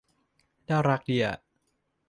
น่ารักดีอ่ะ